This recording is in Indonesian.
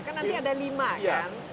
kan nanti ada lima kan